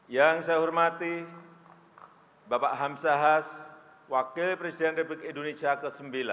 yang saya hormati bapak hamsahas wakil presiden republik indonesia ke sembilan